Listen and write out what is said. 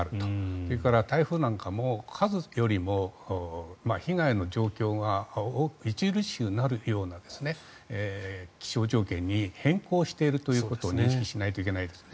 それから台風なんかも数よりも被害の状況が著しくなるような気象条件に変更しているということを認識しないといけないですね。